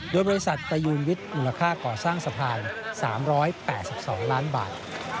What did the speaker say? โดยบริษัทประยูนวิทย์มูลค่าก่อสร้างสะพาน๓๘๒ล้านบาท